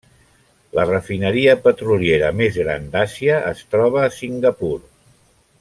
La refineria petroliera més gran d'Àsia es troba a Singapur.